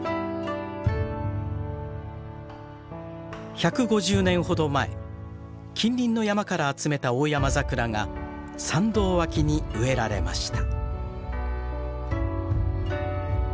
１５０年ほど前近隣の山から集めたオオヤマザクラが参道脇に植えられました。